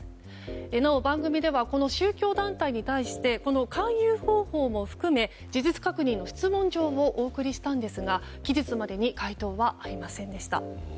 なお番組ではこの宗教団体に対してこの勧誘方法も含め事実確認の質問状をお送りしたんですが、期日までに回答はありませんでした。